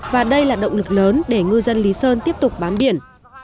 và đây là động lực lớn để ngư dân lý sơn tiếp tục bám biển